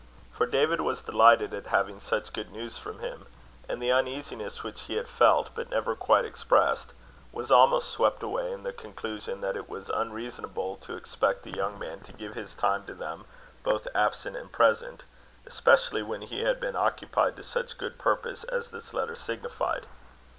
For David was delighted at having such good news from him; and the uneasiness which he had felt, but never quite expressed, was almost swept away in the conclusion, that it was unreasonable to expect the young man to give his time to them both absent and present, especially when he had been occupied to such good purpose as this letter signified.